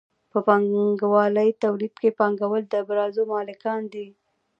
په پانګوالي تولید کې پانګوال د ابزارو مالکان دي.